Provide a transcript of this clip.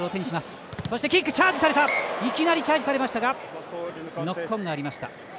いきなりチャージされましたがノックオンがありました。